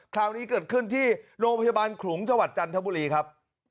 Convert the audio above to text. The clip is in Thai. คราวนี้เกิดขึ้นที่โรงพยาบาลขลุงจังหวัดจันทบุรีครับ